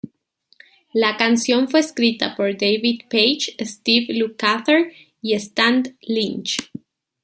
La canción fue escrita por David Paich, Steve Lukather y Stan Lynch.